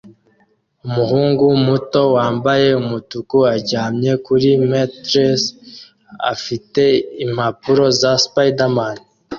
Umuhungu muto wambaye umutuku aryamye kuri matelas afite impapuro za spiderman